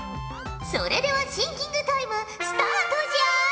それではシンキングタイムスタートじゃ！